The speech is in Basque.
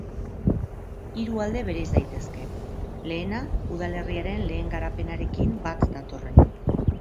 Hiru alde bereiz daitezke, lehena, udalerriaren lehen garapenarekin bat datorrena.